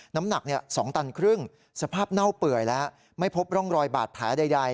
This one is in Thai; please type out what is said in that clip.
น้ำหนัก๒ตันครึ่งสภาพเน่าเปื่อยแล้วไม่พบร่องรอยบาดแผลใด